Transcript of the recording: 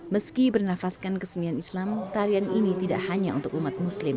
meski bernafaskan kesenian islam tarian ini tidak hanya untuk umat muslim